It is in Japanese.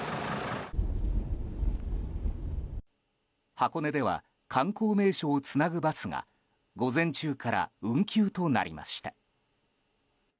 箱根では観光名所をつなぐバスが午前中から運休となりました。